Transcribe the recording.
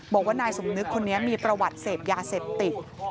บอกว่านายสมนึกคนนี้มีประวัติเสพยาเสพติด